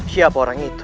siapa orang itu